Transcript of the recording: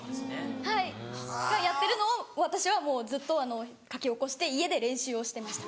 はいがやってるのを私はもうずっと書き起こして家で練習をしてました。